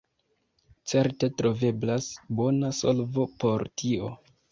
Certe troveblas bona solvo por tio.